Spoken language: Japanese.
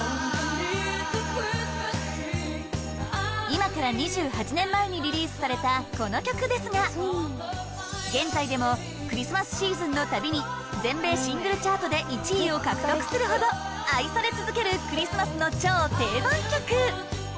今から２８年前にリリースされたこの曲ですが現在でもクリスマスシーズンのたびに全米シングルチャートで１位を獲得するほど愛され続けるクリスマスの超定番曲